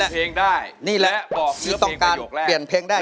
เปลี่ยนเพลงได้